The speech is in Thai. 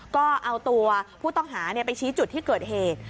ก็เอาตัวผู้ต้องหาไปชี้จุดที่เกิดเหตุ